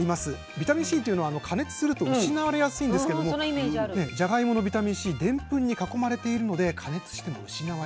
ビタミンＣというのは加熱すると失われやすいんですけれどもじゃがいものビタミンＣでんぷんに囲まれているので加熱しても失われにくいんです。